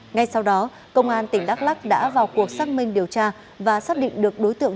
ngay sau đó công an tỉnh đắk lắc đã vào cuộc xác minh điều tra và xác định được đối tượng